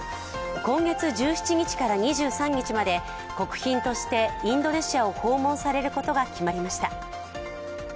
今月１７日から２３日まで国賓としてインドネシアを訪問されることが決まりました。